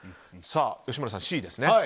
吉村さん、Ｃですね。